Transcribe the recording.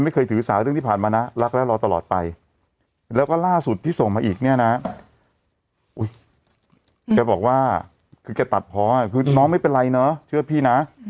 คือแกตัดพอคือน้องไม่เป็นไรเนอะเชื่อพี่นะ